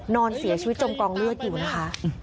นอนเสียชีวิตจมกองเลือดอยู่นะคะ